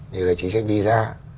như là chính sách visa